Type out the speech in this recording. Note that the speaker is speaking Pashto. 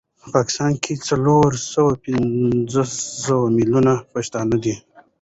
په پاکستان کي څلور سوه پنځوس مليونه پښتانه دي